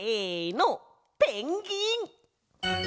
ペンギン！